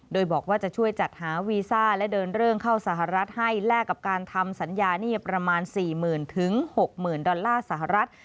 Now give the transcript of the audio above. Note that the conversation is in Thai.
โดยบอกว่าจะช่วยจัดหาวีซ่าและเดินเรื่องเข้าสหรัฐให้แลกกับการทำสัญญาหนี้ประมาณ๔๐๐๐๖๐๐๐ดอลลาร์สหรัฐ